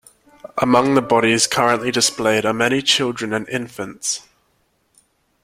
Among the bodies currently displayed are many children and infants.